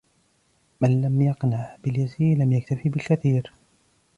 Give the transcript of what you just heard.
من لم يقنع باليسير لم يكتف بالكثير.